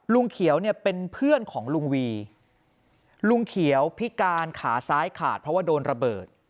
ลุงเขียวเนี่ยเป็นเพื่อนของลุงวีลุงเขียวพิการขาซ้ายขาดเพราะว่าโดนระเบิด